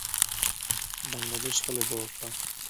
بنګله دېش ښه لوبه وکړه